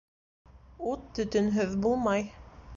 Ут төтөнһөҙ булмай.